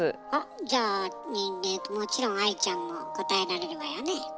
じゃあもちろん愛ちゃんも答えられるわよね。